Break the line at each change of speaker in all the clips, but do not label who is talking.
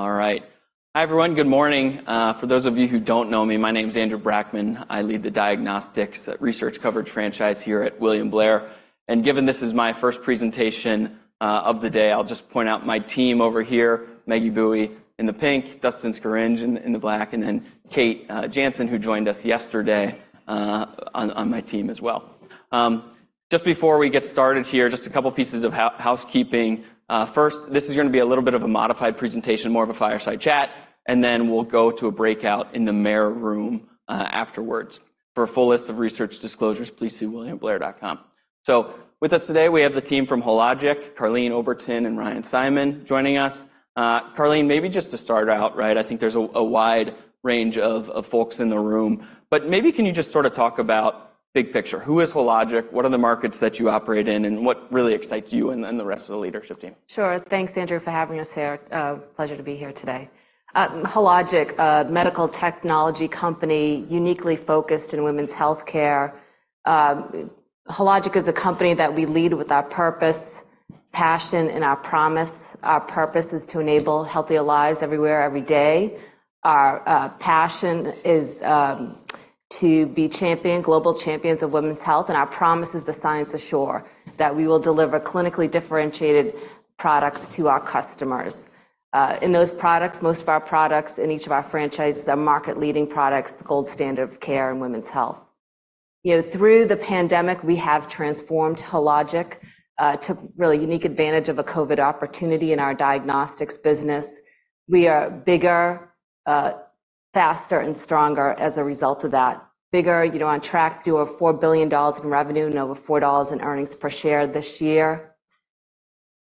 All right. Hi, everyone. Good morning. For those of you who don't know me, my name is Andrew Brackmann. I lead the diagnostics research coverage franchise here at William Blair. And given this is my first presentation of the day, I'll just point out my team over here: Maggie Boeye in the pink, Dustin Scaringe in the black, and then Kate Jansen, who joined us yesterday on my team as well. Just before we get started here, just a couple pieces of housekeeping. First, this is gonna be a little bit of a modified presentation, more of a fireside chat, and then we'll go to a breakout in the Maher Room afterwards. For a full list of research disclosures, please see williamblair.com. So with us today, we have the team from Hologic, Karleen Oberton and Ryan Simon joining us. Karleen, maybe just to start out, right, I think there's a wide range of folks in the room, but maybe can you just sort of talk about big picture? Who is Hologic, what are the markets that you operate in, and what really excites you and then the rest of the leadership team?
Sure. Thanks, Andrew, for having us here. Pleasure to be here today. Hologic, a medical technology company uniquely focused in women's healthcare. Hologic is a company that we lead with our purpose, passion, and our promise. Our purpose is to enable healthier lives everywhere, every day. Our passion is to be champions, global champions of women's health, and our promise is the Science of Sure, that we will deliver clinically differentiated products to our customers. In those products, most of our products in each of our franchises are market-leading products, the gold standard of care in women's health. You know, through the pandemic, we have transformed Hologic, took really unique advantage of a COVID opportunity in our diagnostics business. We are bigger, faster, and stronger as a result of that. Bigger, you know, on track to do $4 billion in revenue and over $4 in earnings per share this year.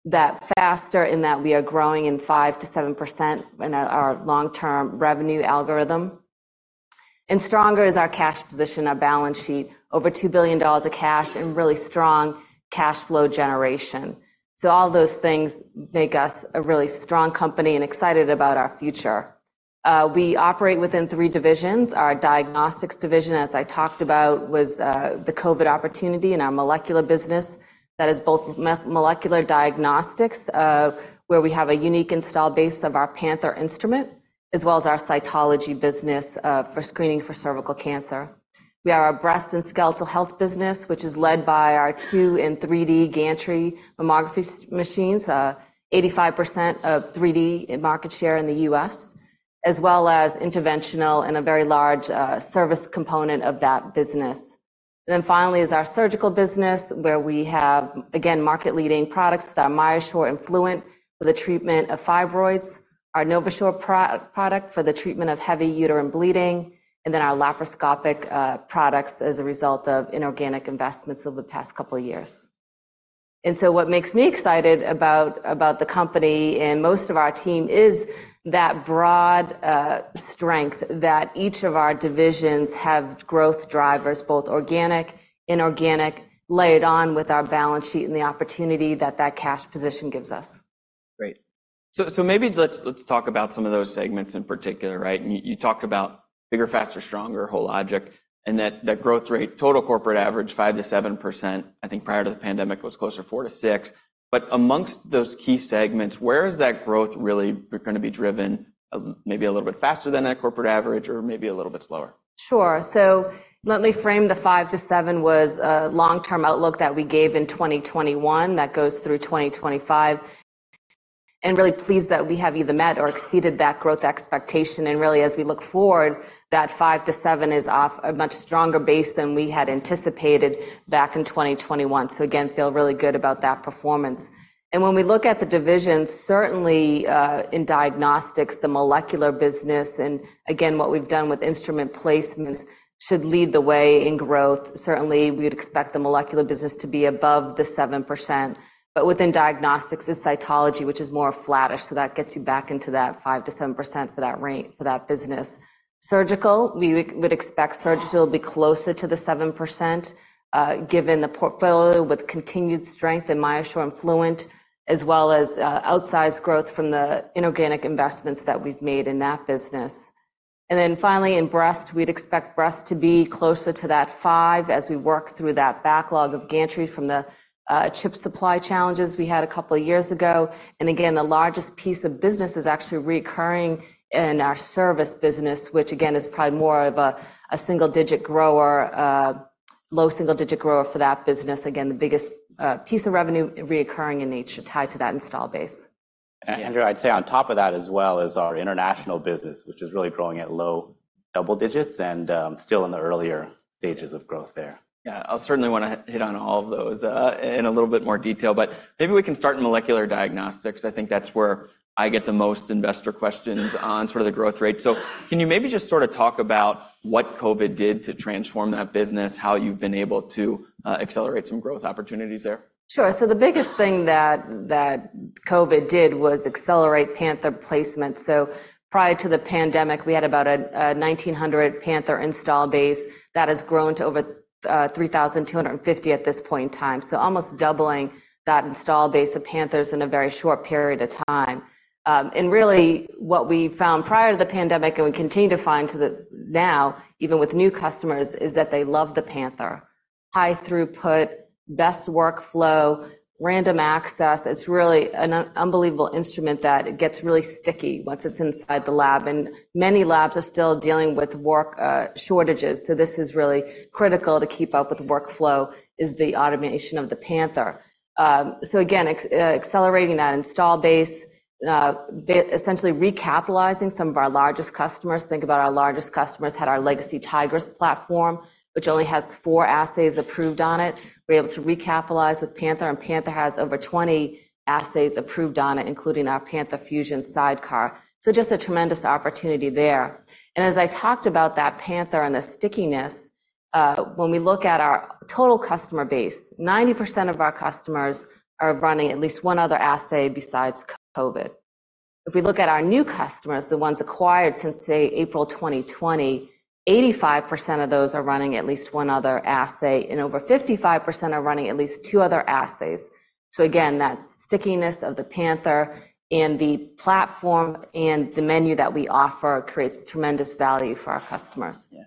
That faster in that we are growing in 5%-7% in our, our long-term revenue algorithm. And stronger is our cash position, our balance sheet, over $2 billion of cash and really strong cash flow generation. So all those things make us a really strong company and excited about our future. We operate within three divisions. Our diagnostics division, as I talked about, was the COVID opportunity in our molecular business. That is both molecular diagnostics, where we have a unique install base of our Panther instrument, as well as our cytology business, for screening for cervical cancer. We have our breast and skeletal health business, which is led by our 2D and 3D gantry mammography machines. 85% of 3D market share in the U.S., as well as interventional and a very large service component of that business. And then finally is our surgical business, where we have, again, market-leading products with our MyoSure and Fluent for the treatment of fibroids, our NovaSure product for the treatment of heavy uterine bleeding, and then our laparoscopic products as a result of inorganic investments over the past couple of years. And so what makes me excited about about the company and most of our team is that broad strength that each of our divisions have growth drivers, both organic and inorganic, layered on with our balance sheet and the opportunity that that cash position gives us.
Great. So maybe let's talk about some of those segments in particular, right? You talked about bigger, faster, stronger, Hologic, and that growth rate, total corporate average, 5%-7%. I think prior to the pandemic, it was closer to 4%-6%. But amongst those key segments, where is that growth really gonna be driven, maybe a little bit faster than that corporate average or maybe a little bit slower?
Sure. So let me frame the 5-7 was a long-term outlook that we gave in 2021, that goes through 2025, and really pleased that we have either met or exceeded that growth expectation. And really, as we look forward, that 5-7 is off a much stronger base than we had anticipated back in 2021. So again, feel really good about that performance. And when we look at the divisions, certainly, in diagnostics, the molecular business, and again, what we've done with instrument placements should lead the way in growth. Certainly, we'd expect the molecular business to be above the 7%. But within diagnostics is cytology, which is more flattish, so that gets you back into that 5%-7% for that business. Surgical, we would expect surgical to be closer to the 7%, given the portfolio with continued strength in MyoSure and Fluent, as well as outsized growth from the inorganic investments that we've made in that business. Then finally, in breast, we'd expect breast to be closer to that 5% as we work through that backlog of gantry from the chip supply challenges we had a couple of years ago. Again, the largest piece of business is actually recurring in our service business, which, again, is probably more of a single-digit grower, low single-digit grower for that business. Again, the biggest piece of revenue recurring in nature tied to that install base.
Andrew, I'd say on top of that, as well, is our international business, which is really growing at low double digits and, still in the earlier stages of growth there.
Yeah, I'll certainly want to hit on all of those in a little bit more detail, but maybe we can start in molecular diagnostics. I think that's where I get the most investor questions on sort of the growth rate. So can you maybe just sort of talk about what COVID did to transform that business, how you've been able to accelerate some growth opportunities there?
Sure. So the biggest thing that COVID did was accelerate Panther placement. So prior to the pandemic, we had about a 1,900 Panther install base. That has grown to over 3,250 at this point in time. So almost doubling that install base of Panthers in a very short period of time. And really, what we found prior to the pandemic, and we continue to find to the now, even with new customers, is that they love the Panther... high throughput, best workflow, random access. It's really an unbelievable instrument that gets really sticky once it's inside the lab, and many labs are still dealing with work shortages, so this is really critical to keep up with workflow, is the automation of the Panther. So again, accelerating that installed base, essentially recapitalizing some of our largest customers. Think about our largest customers had our legacy Tigris platform, which only has 4 assays approved on it. We're able to recapitalize with Panther, and Panther has over 20 assays approved on it, including our Panther Fusion sidecar. So just a tremendous opportunity there. And as I talked about that Panther and the stickiness, when we look at our total customer base, 90% of our customers are running at least one other assay besides COVID. If we look at our new customers, the ones acquired since, say, April 2020, 85% of those are running at least one other assay, and over 55% are running at least two other assays. So again, that stickiness of the Panther and the platform and the menu that we offer creates tremendous value for our customers.
Yeah.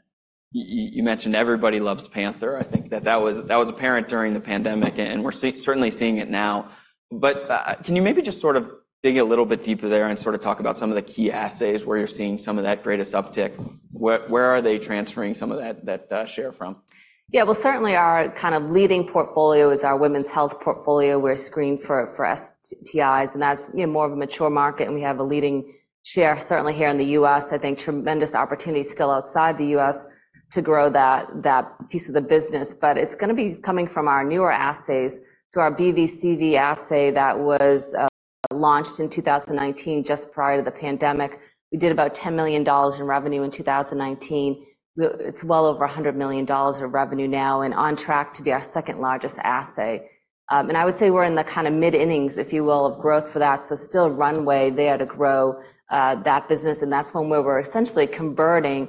You mentioned everybody loves Panther. I think that that was, that was apparent during the pandemic, and, and we're certainly seeing it now. But, can you maybe just sort of dig a little bit deeper there and sort of talk about some of the key assays where you're seeing some of that greatest uptick? Where, where are they transferring some of that, that, share from?
Yeah, well, certainly our kind of leading portfolio is our women's health portfolio. We're screened for, for STIs, and that's, you know, more of a mature market, and we have a leading share, certainly here in the US. I think tremendous opportunity still outside the US to grow that, that piece of the business, but it's gonna be coming from our newer assays. So our BV/CV assay that was launched in 2019, just prior to the pandemic, we did about $10 million in revenue in 2019. It's well over $100 million of revenue now and on track to be our second-largest assay. And I would say we're in the kinda mid-innings, if you will, of growth for that, so still runway there to grow that business, and that's one where we're essentially converting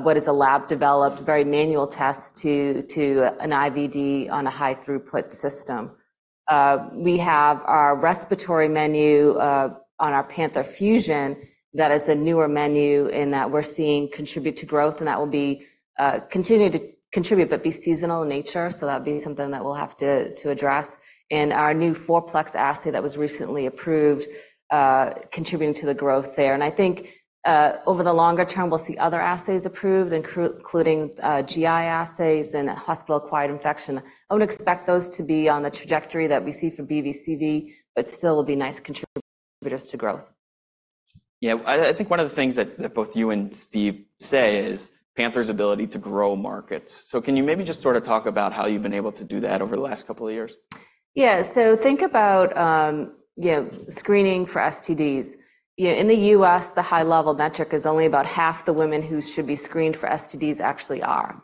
what is a lab-developed, very manual test to an IVD on a high-throughput system. We have our respiratory menu on our Panther Fusion. That is a newer menu in that we're seeing contribute to growth, and that will be continuing to contribute but be seasonal in nature, so that would be something that we'll have to address. And our new four-plex assay that was recently approved contributing to the growth there. And I think over the longer term, we'll see other assays approved, including GI assays and hospital-acquired infection. I would expect those to be on the trajectory that we see for BVCD, but still will be nice contributors to growth.
Yeah. I think one of the things that both you and Steve say is Panther's ability to grow markets. So can you maybe just sort of talk about how you've been able to do that over the last couple of years?
Yeah. So think about, you know, screening for STDs. You know, in the US, the high-level metric is only about half the women who should be screened for STDs actually are.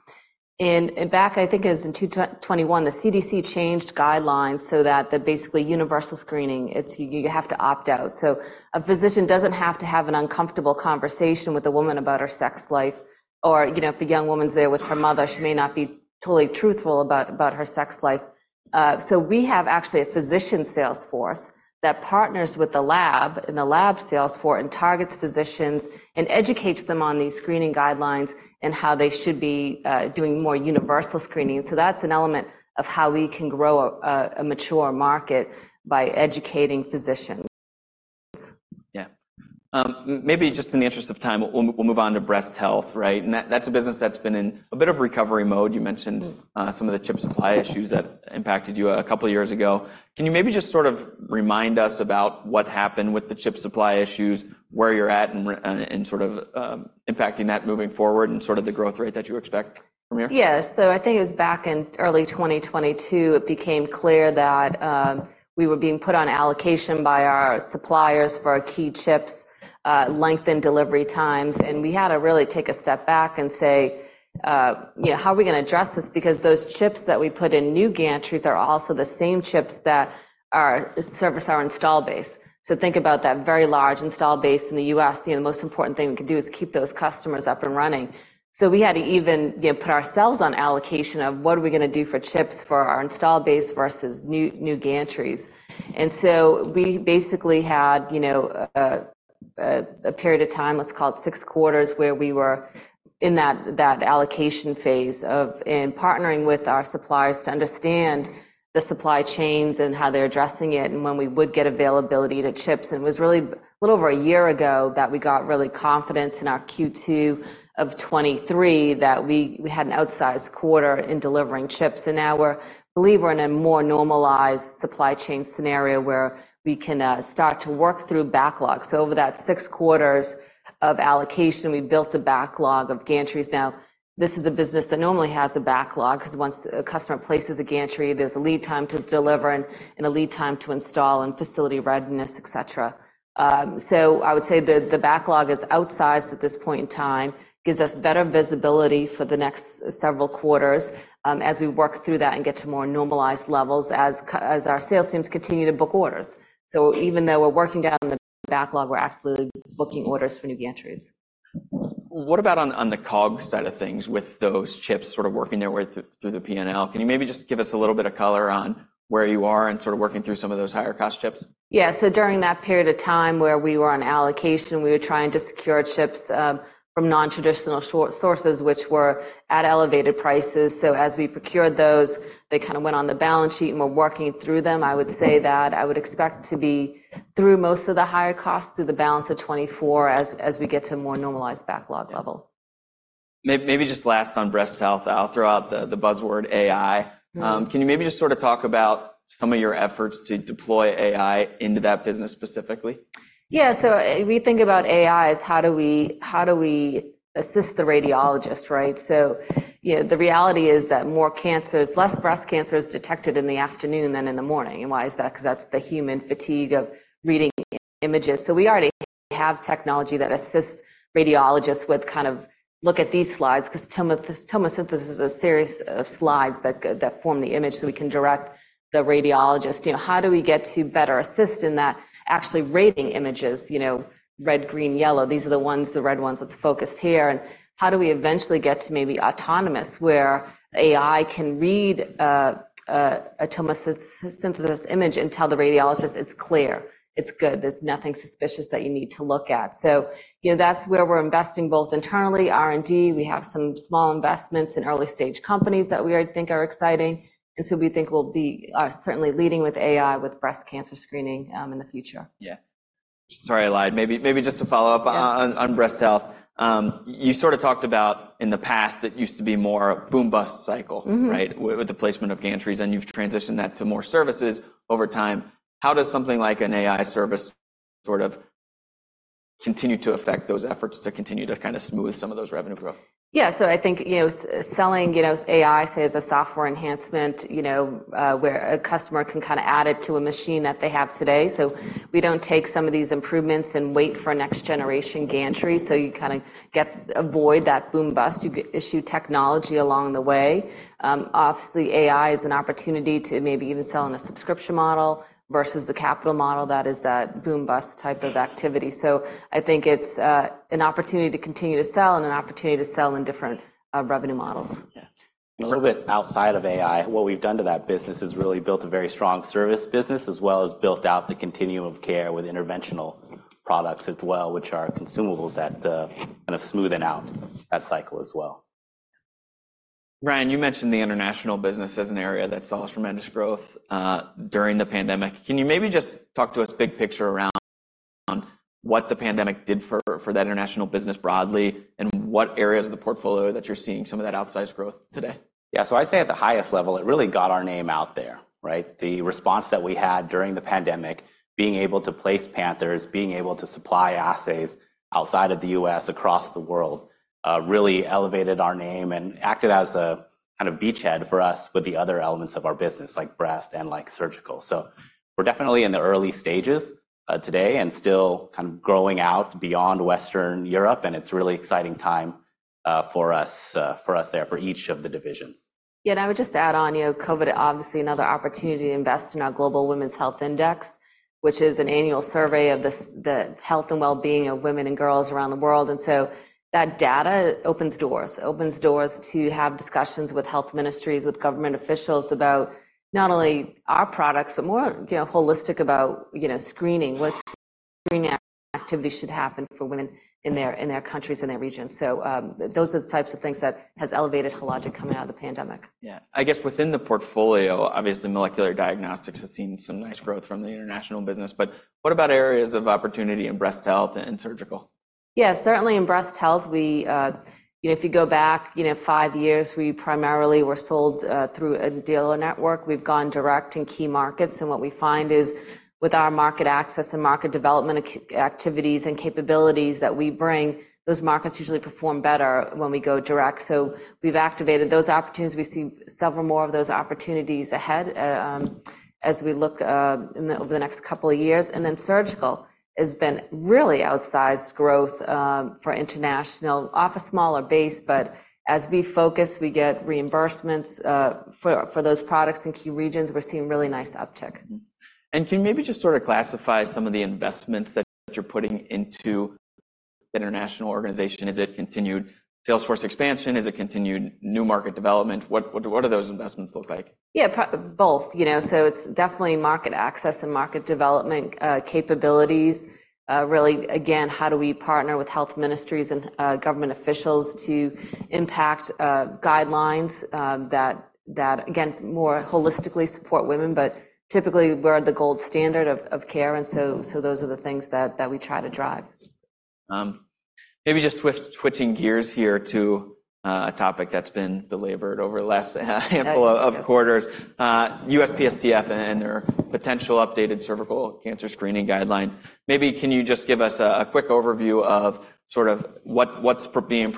And back, I think it was in 2021, the CDC changed guidelines so that the basically universal screening, it's... You have to opt out. So a physician doesn't have to have an uncomfortable conversation with a woman about her sex life, or, you know, if the young woman's there with her mother, she may not be totally truthful about, about her sex life. So we have actually a physician sales force that partners with the lab and the lab sales force and targets physicians and educates them on these screening guidelines and how they should be doing more universal screening. So that's an element of how we can grow a mature market, by educating physicians.
Yeah. Maybe just in the interest of time, we'll move on to breast health, right? And that, that's a business that's been in a bit of recovery mode.
Mm.
You mentioned some of the chip supply issues that impacted you a couple of years ago. Can you maybe just sort of remind us about what happened with the chip supply issues, where you're at, and sort of impacting that moving forward and sort of the growth rate that you expect from here?
Yeah. So I think it was back in early 2022, it became clear that, we were being put on allocation by our suppliers for our key chips, lengthened delivery times, and we had to really take a step back and say, you know, "How are we gonna address this?" Because those chips that we put in new gantries are also the same chips that are service our install base. So think about that very large install base in the U.S. You know, the most important thing we could do is keep those customers up and running. So we had to even, you know, put ourselves on allocation of what are we gonna do for chips for our install base versus new, new gantries. And so we basically had, you know, a period of time, let's call it six quarters, where we were in that allocation phase of, and partnering with our suppliers to understand the supply chains and how they're addressing it and when we would get availability to chips. And it was really a little over a year ago that we got really confidence in our Q2 of 2023 that we had an outsized quarter in delivering chips, and now we believe we're in a more normalized supply chain scenario where we can start to work through backlogs. So over that six quarters of allocation, we built a backlog of gantries. Now, this is a business that normally has a backlog, 'cause once a customer places a gantry, there's a lead time to deliver and a lead time to install and facility readiness, etc. So I would say the backlog is outsized at this point in time. Gives us better visibility for the next several quarters, as we work through that and get to more normalized levels as our sales teams continue to book orders. So even though we're working down the backlog, we're actually booking orders for new gantries....
What about on the COGS side of things with those chips sort of working their way through the P&L? Can you maybe just give us a little bit of color on where you are and sort of working through some of those higher cost chips?
Yeah, so during that period of time where we were on allocation, we were trying to secure chips from non-traditional sources, which were at elevated prices. So as we procured those, they kind of went on the balance sheet, and we're working through them. I would say that I would expect to be through most of the higher costs through the balance of 2024, as we get to a more normalized backlog level.
Maybe just last on breast health. I'll throw out the buzzword, AI.
Mm.
Can you maybe just sort of talk about some of your efforts to deploy AI into that business specifically?
Yeah, so we think about AI as how do we, how do we assist the radiologist, right? So, you know, the reality is that more cancers—less breast cancer is detected in the afternoon than in the morning. And why is that? 'Cause that's the human fatigue of reading images. So we already have technology that assists radiologists with kind of, look at these slides, 'cause tomosynthesis is a series of slides that that form the image, so we can direct the radiologist. You know, how do we get to better assist in that actually reading images, you know, red, green, yellow, these are the ones, the red ones that's focused here? And how do we eventually get to maybe autonomous, where AI can read a tomosynthesis image and tell the radiologist, "It's clear. It's good. There's nothing suspicious that you need to look at"? So, you know, that's where we're investing, both internally, R&D, we have some small investments in early-stage companies that we think are exciting, and so we think we'll be certainly leading with AI with breast cancer screening, in the future.
Yeah. Sorry, I lied. Maybe, maybe just to follow up-
Yeah...
on breast health. You sort of talked about in the past, it used to be more a boom-bust cycle-
Mm-hmm...
right, with the placement of gantries, and you've transitioned that to more services over time. How does something like an AI service sort of continue to affect those efforts to continue to kind of smooth some of those revenue growth?
Yeah, so I think, you know, selling, you know, AI, say, as a software enhancement, you know, where a customer can kind of add it to a machine that they have today. So we don't take some of these improvements and wait for a next-generation gantry, so you kind of get to avoid that boom-bust. You get AI technology along the way. Obviously, AI is an opportunity to maybe even sell in a subscription model versus the capital model that is that boom-bust type of activity. So I think it's an opportunity to continue to sell and an opportunity to sell in different revenue models.
Yeah.
A little bit outside of AI, what we've done to that business is really built a very strong service business, as well as built out the continuum of care with interventional products as well, which are consumables that kind of smoothen out that cycle as well.
Ryan, you mentioned the international business as an area that saw tremendous growth during the pandemic. Can you maybe just talk to us big picture around, on what the pandemic did for the international business broadly, and what areas of the portfolio that you're seeing some of that outsized growth today?
Yeah, so I'd say at the highest level, it really got our name out there, right? The response that we had during the pandemic, being able to place Panthers, being able to supply assays outside of the U.S., across the world, really elevated our name and acted as a kind of beachhead for us with the other elements of our business, like breast and like surgical. So we're definitely in the early stages, today, and still kind of growing out beyond Western Europe, and it's a really exciting time, for us, for us there, for each of the divisions.
Yeah, and I would just add on, you know, COVID, obviously, another opportunity to invest in our Global Women's Health Index, which is an annual survey of the health and wellbeing of women and girls around the world, and so that data opens doors. It opens doors to have discussions with health ministries, with government officials, about not only our products, but more, you know, holistic about, you know, screening, what screening activity should happen for women in their, in their countries and their regions. So, those are the types of things that has elevated Hologic coming out of the pandemic.
Yeah. I guess within the portfolio, obviously, molecular diagnostics has seen some nice growth from the international business, but what about areas of opportunity in breast health and surgical?
Yeah, certainly in breast health, we, you know, if you go back, you know, five years, we primarily were sold through a dealer network. We've gone direct in key markets, and what we find is, with our market access and market development activities and capabilities that we bring, those markets usually perform better when we go direct. So we've activated those opportunities. We see several more of those opportunities ahead, as we look, in the, over the next couple of years. And then surgical has been really outsized growth for international. Off a smaller base, but as we focus, we get reimbursements for those products in key regions, we're seeing really nice uptick.
Can you maybe just sort of classify some of the investments that you're putting into the international organization? Is it continued sales force expansion? Is it continued new market development? What do those investments look like?
Yeah, both, you know, so it's definitely market access and market development capabilities. Really, again, how do we partner with health ministries and government officials to impact guidelines that, again, more holistically support women? But typically, we're the gold standard of care, and so those are the things that we try to drive.
Maybe just switching gears here to a topic that's been belabored over the last handful of quarters.
Yes.
USPSTF and their potential updated cervical cancer screening guidelines. Maybe can you just give us a quick overview of sort of what's being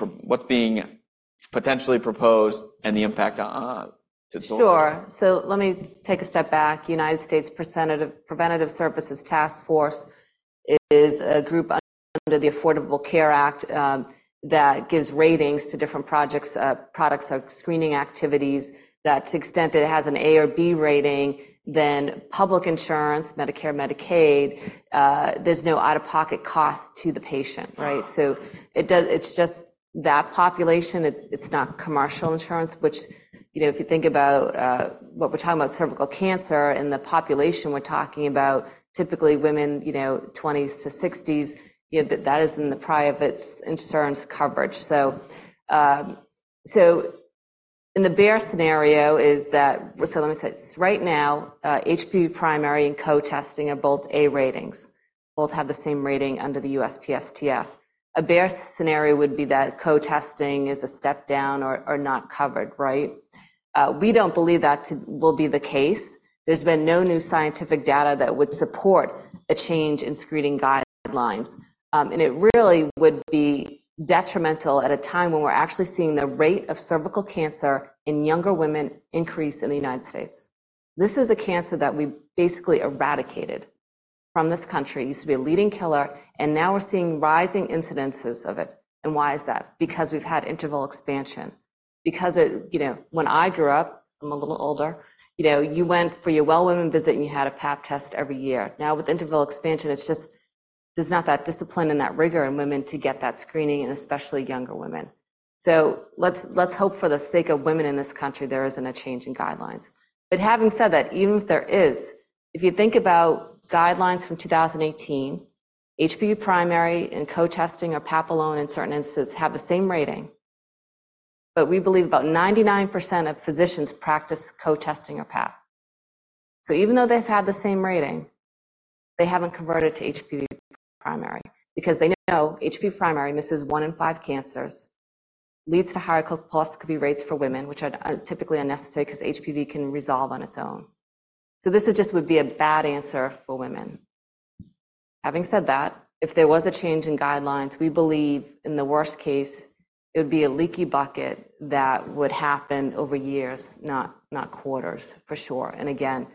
potentially proposed and the impact on it?
Sure. So let me take a step back. U.S. Preventive Services Task Force is a group under the Affordable Care Act that gives ratings to different projects, products of screening activities, that to the extent that it has an A or B rating, then public insurance, Medicare, Medicaid, there's no out-of-pocket cost to the patient, right? So it does. It's just that population. It, it's not commercial insurance, which, you know, if you think about what we're talking about, cervical cancer, and the population we're talking about, typically women, you know, twenties to sixties, you know, that, that is in the private insurance coverage. So, so in the bear scenario is that... So let me say, right now, HPV primary and co-testing are both A ratings. Both have the same rating under the USPSTF. A bear scenario would be that co-testing is a step down or not covered, right? We don't believe that will be the case. There's been no new scientific data that would support a change in screening guidelines. And it really would be detrimental at a time when we're actually seeing the rate of cervical cancer in younger women increase in the United States. This is a cancer that we've basically eradicated from this country. It used to be a leading killer, and now we're seeing rising incidences of it. And why is that? Because we've had interval expansion. Because it, you know, when I grew up, I'm a little older, you know, you went for your well woman visit, and you had a Pap test every year. Now, with interval expansion, it's just there's not that discipline and that rigor in women to get that screening, and especially younger women. So let's, let's hope for the sake of women in this country, there isn't a change in guidelines. But having said that, even if there is, if you think about guidelines from 2018, HPV primary and co-testing, or Pap alone in certain instances, have the same rating, but we believe about 99% of physicians practice co-testing or Pap. So even though they've had the same rating, they haven't converted to HPV primary because they know HPV primary misses one in five cancers, leads to higher colposcopy rates for women, which are typically unnecessary 'cause HPV can resolve on its own. So this is just would be a bad answer for women. Having said that, if there was a change in guidelines, we believe in the worst case, it would be a leaky bucket that would happen over years, not quarters, for sure. And again,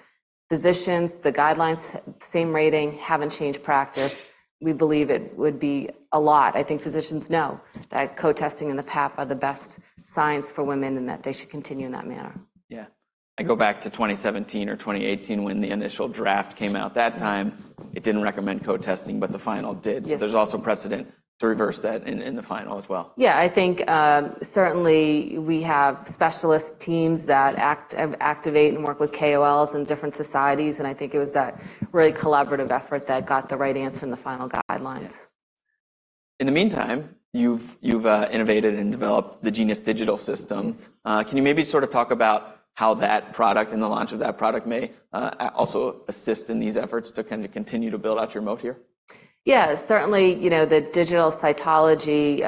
physicians, the guidelines, same rating, haven't changed practice. We believe it would be a lot. I think physicians know that co-testing and the Pap are the best science for women and that they should continue in that manner.
Yeah. I go back to 2017 or 2018 when the initial draft came out. That time, it didn't recommend co-testing, but the final did.
Yes.
So there's also precedent to reverse that in the final as well.
Yeah, I think, certainly we have specialist teams that activate and work with KOLs in different societies, and I think it was that really collaborative effort that got the right answer in the final guidelines.
In the meantime, you've innovated and developed the Genius Digital systems. Can you maybe sort of talk about how that product and the launch of that product may also assist in these efforts to kind of continue to build out your moat here?
Yeah, certainly, you know, the digital cytology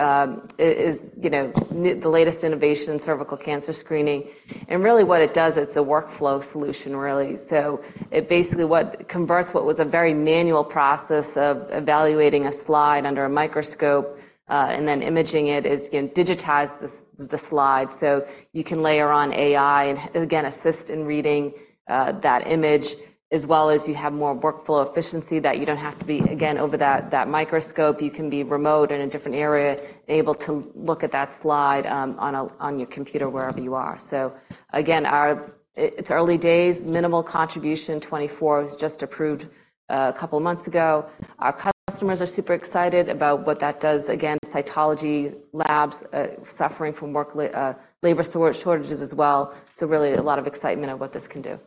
is, you know, the latest innovation in cervical cancer screening, and really what it does, it's a workflow solution, really. So it basically converts what was a very manual process of evaluating a slide under a microscope and then imaging it. It's gonna digitize the slide, so you can layer on AI and, again, assist in reading that image, as well as you have more workflow efficiency that you don't have to be, again, over that microscope. You can be remote in a different area, able to look at that slide on your computer, wherever you are. So again, it's early days, minimal contribution. 2024 was just approved a couple of months ago. Our customers are super excited about what that does. Again, cytology labs suffering from labor shortages as well, so really a lot of excitement of what this can do.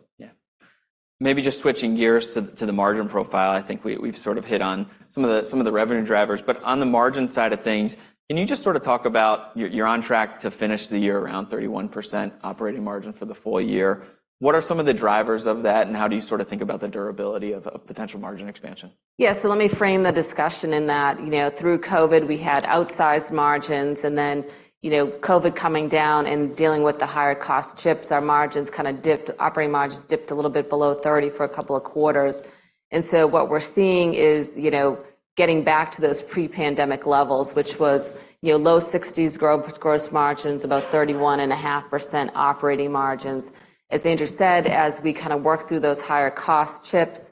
Yeah. Maybe just switching gears to, to the margin profile. I think we, we've sort of hit on some of the, some of the revenue drivers, but on the margin side of things, can you just sort of talk about you're, you're on track to finish the year around 31% operating margin for the full year. What are some of the drivers of that, and how do you sort of think about the durability of a potential margin expansion?
Yeah, so let me frame the discussion in that. You know, through COVID, we had outsized margins, and then, you know, COVID coming down and dealing with the higher cost chips, our margins kind of dipped. Operating margins dipped a little bit below 30 for a couple of quarters. And so what we're seeing is, you know, getting back to those pre-pandemic levels, which was, you know, low-60s growth, gross margins, about 31.5% operating margins. As Andrew said, as we kind of work through those higher cost chips,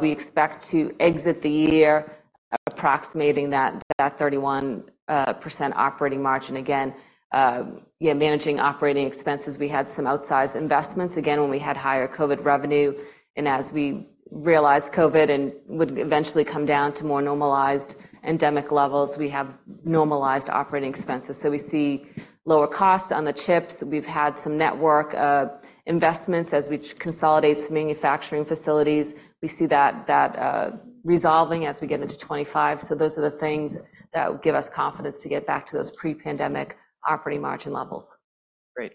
we expect to exit the year approximating that 31% operating margin again. Yeah, managing operating expenses, we had some outsized investments, again, when we had higher COVID revenue. And as we realized COVID and would eventually come down to more normalized endemic levels, we have normalized operating expenses. So we see lower costs on the chips. We've had some network, investments. As we consolidate some manufacturing facilities, we see that, that, resolving as we get into 2025. So those are the things that give us confidence to get back to those pre-pandemic operating margin levels.
Great.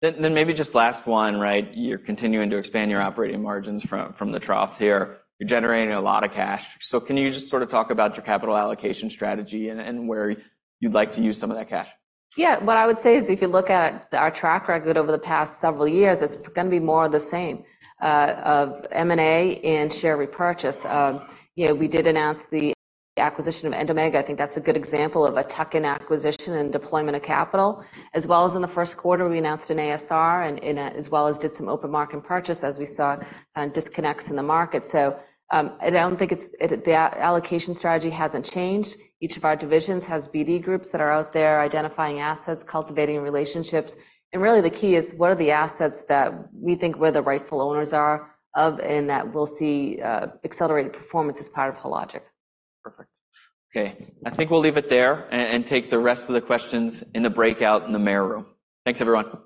Then, then maybe just last one, right? You're continuing to expand your operating margins from, from the trough here. You're generating a lot of cash. So can you just sort of talk about your capital allocation strategy and, and where you'd like to use some of that cash?
Yeah. What I would say is, if you look at our track record over the past several years, it's gonna be more of the same, of M&A and share repurchase. You know, we did announce the acquisition of Endomag. I think that's a good example of a tuck-in acquisition and deployment of capital. As well as in the first quarter, we announced an ASR, and as well as did some open market purchase as we saw, disconnects in the market. So, I don't think it's- it, the allocation strategy hasn't changed. Each of our divisions has BD groups that are out there identifying assets, cultivating relationships, and really the key is, what are the assets that we think we're the rightful owners are of, and that we'll see, accelerated performance as part of Hologic?
Perfect. Okay, I think we'll leave it there and take the rest of the questions in the breakout in the Maher Room. Thanks, everyone.